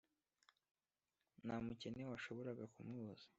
nta mukene washoboraga kumubuza